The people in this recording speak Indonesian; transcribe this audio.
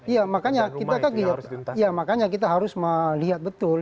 iya makanya kita harus melihat betul